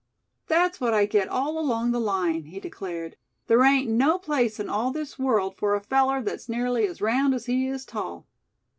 "That's what I get all along the line," he declared. "There ain't no place in all this world for a feller that's nearly as round as he is tall.